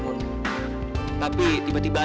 boy ini marah